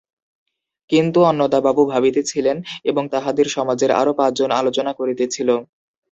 কিন্তু অন্নদাবাবু ভাবিতেছিলেন, এবং তাঁহাদের সমাজের আরো পাঁচ জন আলোচনা করিতেছিল।